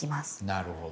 なるほど。